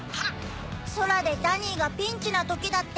空でダニーがピンチなときだって。